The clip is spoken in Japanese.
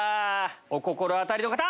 お心当たりの方！